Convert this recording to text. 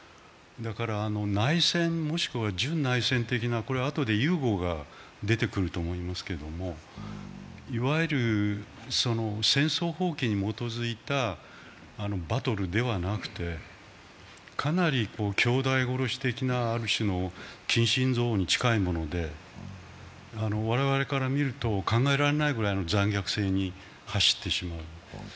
だから内戦もしくは準内戦的な、これはあとでユーゴが出てくると思いますけれども、いわゆる戦争法規に基づいたバトルではなくてかなり兄弟殺し的な、ある種の近親憎に近いもので我々から見ると、考えられないぐらいの残虐性に走ってしまう。